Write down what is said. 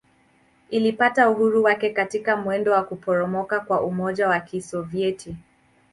Ilipata uhuru wake katika mwendo wa kuporomoka kwa Umoja wa Kisovyeti.